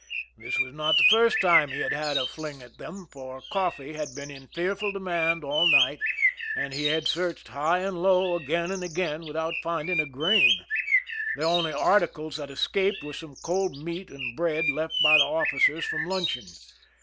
1 This was not the first time he had had a fling at I them, for coffee had been in fearful demand all 1 night, and he had searched high and low again and \ again without finding a grain. The only articles [ that escaped were some cold meat and bread left by ] the officers from luncheon.